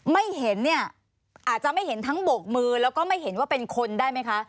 ไม่เห็นเนี่ยอาจจะไม่เห็นทั้งโบกมือแล้วก็ไม่เห็นว่าเป็นคนได้ไหมคะ